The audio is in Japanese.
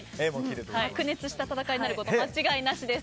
白熱した戦いになること間違いなしです。